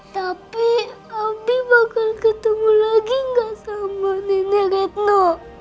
tapi abi bakal ketemu lagi gak sama nenek redmu